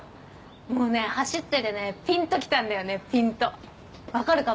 もうね走っててねピンときたんだよねピンとわかるか？